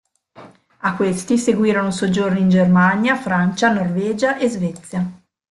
A questi seguirono soggiorni in Germania, Francia, Norvegia e Svezia.